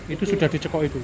itu sudah dicekuk itu